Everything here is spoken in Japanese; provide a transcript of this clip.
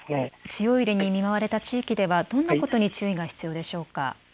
強い揺れに見舞われた地域ではどんなことに注意が必要でしょうか。